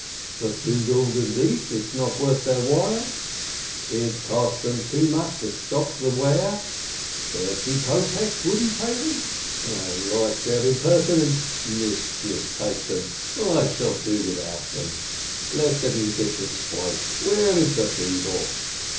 For two guldens each it's not worth their while ? It cost them too much to stock the ware? Thirty kopeks wouldn't pay them? I like their impertinence ! Mischief take them, I shall do without them ! "Let the musicians play! Where is the beadle?